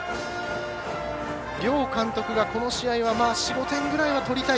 両監督がこの試合は４５点ぐらいは取りたい。